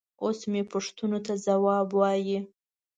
اوس مې پوښتنو ته ځواب وايي.